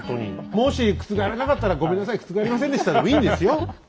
もし覆らなかったら「ごめんなさい覆りませんでした」でもいいんですよ？